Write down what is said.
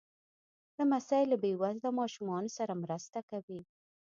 لمسی له بې وزله ماشومانو سره مرسته کوي.